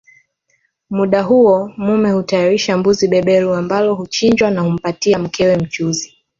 Muda huo mume hutayarisha mbuzi beberu ambalo huchinjwa na humpatia mkewe mchuzi